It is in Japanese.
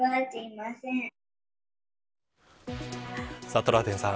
トラウデンさん